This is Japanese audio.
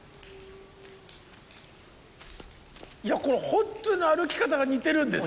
いやホントに歩き方が似てるんですよ。